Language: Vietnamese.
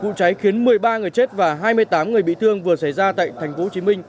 vụ cháy khiến một mươi ba người chết và hai mươi tám người bị thương vừa xảy ra tại tp hcm